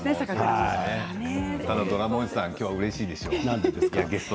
ただドラマおじさん今日はうれしいでしょう。